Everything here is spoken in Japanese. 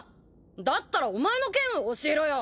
だったらお前の剣を教えろよ。